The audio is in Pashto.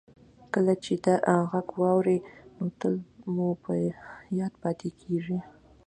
کله چې دا غږ واورئ نو تل مو په یاد پاتې کیږي